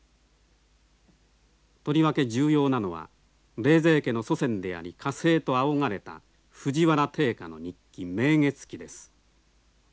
とりわけ重要なのは冷泉家の祖先であり歌聖と仰がれた藤原定家の日記「明月記」です。